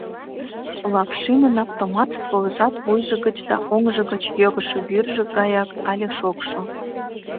Лапшинын автомат стволжат вуйжо гыч да оҥжо гыч йогышо вӱржӧ гаяк але шокшо.